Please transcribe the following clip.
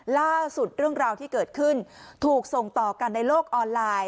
เรื่องราวที่เกิดขึ้นถูกส่งต่อกันในโลกออนไลน์